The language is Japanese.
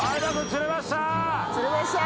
釣れました。